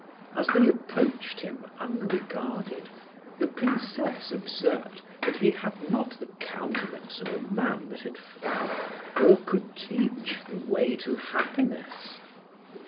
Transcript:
As they approached him unregarded, the Princess observed that he had not the countenance of a man that had found or could teach the way to happiness.